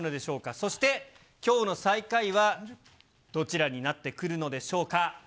そして、きょうの最下位はどちらになってくるのでしょうか。